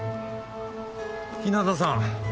日向さん